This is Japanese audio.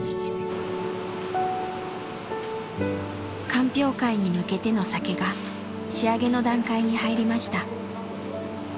鑑評会に向けての酒が仕上げの段階に入りました。